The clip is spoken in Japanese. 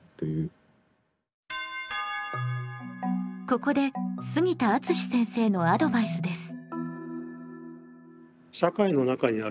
ここで杉田敦先生のアドバイスです。